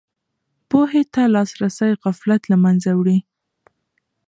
پوهې ته لاسرسی غفلت له منځه وړي.